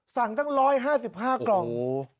กันแกล้งหรอเออสั่งตั้ง๑๕๕กล่อง